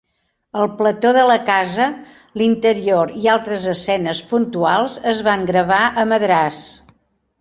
El plató de la casa, l'interior i altres escenes puntuals es van gravar a Madràs.